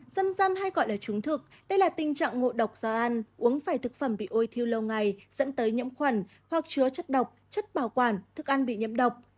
các bạn hãy đăng ký kênh để ủng hộ kênh của chúng mình nhé